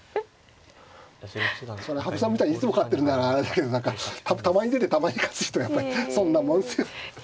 羽生さんみたいにいつも勝ってるならあれだけど何かたまに出てたまに勝つ人はやっぱりそんなもんですよ。